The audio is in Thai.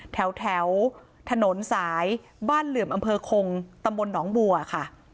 แถวถนนสายบ้านเหลื่อมอำเภอคงตำบลหนองบัวค่ะ